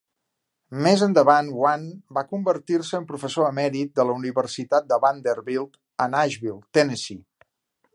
Més endavant Wang va convertir-se en professor emèrit de la Universitat de Vanderbilt, a Nashville, Tennessee.